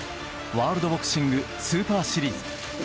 ワールドボクシングスーパーシリーズ。